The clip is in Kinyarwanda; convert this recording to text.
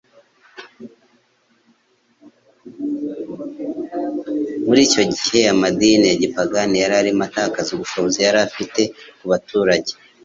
Muri icyo gibe amadini ya gipagani yari arimo atakaza ubushobozi yari afite ku baturage.